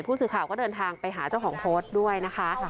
ผู้สื่อข่าวก็เดินทางไปหาเจ้าของโพสต์ด้วยนะคะ